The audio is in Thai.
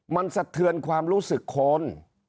มันสะเทือนความรู้สึกคน